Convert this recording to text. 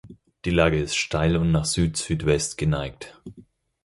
Die Lage ist steil und nach Südsüdwest geneigt.